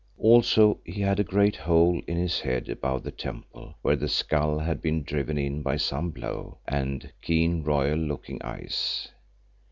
Also he had a great hole in his head above the temple where the skull had been driven in by some blow, and keen, royal looking eyes.